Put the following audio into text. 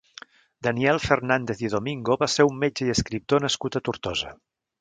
Daniel Fernández i Domingo va ser un metge i escriptor nascut a Tortosa.